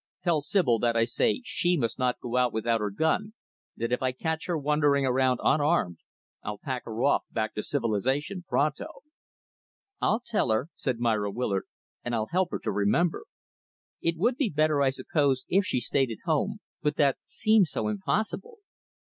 Tell Sibyl that I say she must not go out without her gun that if I catch her wandering around unarmed, I'll pack her off back to civilization, pronto." "I'll tell her," said Myra Willard, "and I'll help her to remember. It would be better, I suppose, if she stayed at home; but that seems so impossible."